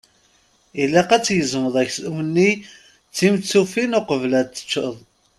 Ilaq-ak ad tgezmeḍ aksum-nni d timettufin uqbel ad t-teččeḍ.